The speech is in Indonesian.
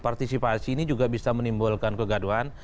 partisipasi ini juga bisa menimbulkan kegaduhan